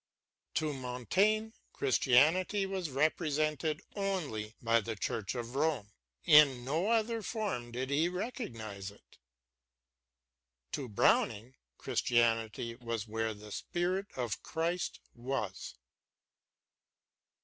To Montaigne Chris tianity was represented only by the Church of Rome ; in no other form did he recognise it. To Browning Christianity was where the spirit of Christ was.